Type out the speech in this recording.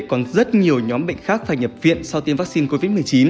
còn rất nhiều nhóm bệnh khác phải nhập viện sau tiêm vắc xin covid một mươi chín